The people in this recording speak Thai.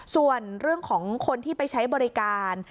ส่วนเรื่องของคนที่ไปใช้บริการ